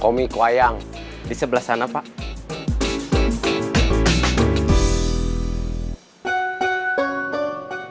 komi kuayang di sebelah sana pak